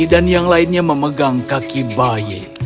dan yang lainnya memegang kaki bayi